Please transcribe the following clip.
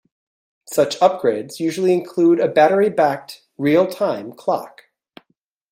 Such upgrades usually include a battery-backed real-time clock.